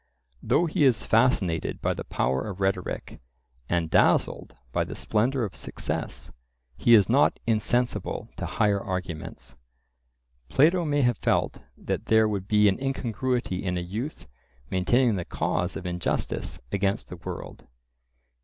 Though he is fascinated by the power of rhetoric, and dazzled by the splendour of success, he is not insensible to higher arguments. Plato may have felt that there would be an incongruity in a youth maintaining the cause of injustice against the world.